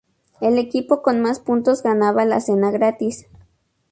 El equipo con más puntos ganaba la cena gratis.